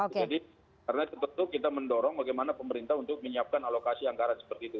jadi karena itu kita mendorong bagaimana pemerintah untuk menyiapkan alokasi anggaran seperti itu